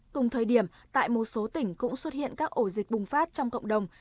cùng thời điểm tại một số tỉnh cũng xuất hiện các ổ dịch bùng phát trong cộng đồng